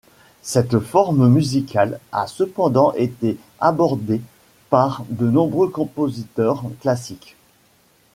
Cette forme musicale a cependant été abordée par de nombreux compositeurs classiques.